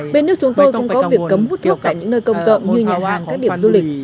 bên nước chúng tôi cũng có việc cấm hút thuốc tại những nơi công cộng như nhà hàng các điểm du lịch